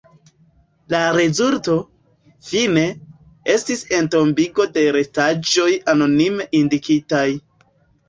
La rezulto, fine, estis entombigo de restaĵoj anonime indikitaj.